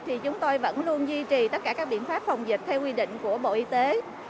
thì chúng tôi vẫn luôn duy trì tất cả các biện pháp phòng dịch theo quy định của bộ y tế